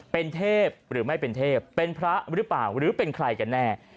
เป็นเทพหรือไม่เป็นเทพเป็นพระหรือเปล่าหรือเป็นใครกันแน่